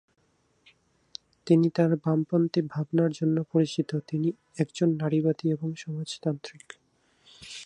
তিনি তাঁর বামপন্থী ভাবনার জন্য পরিচিত, তিনি একজন নারীবাদী এবং সমাজতান্ত্রিক।